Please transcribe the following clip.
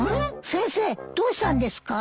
先生どうしたんですか？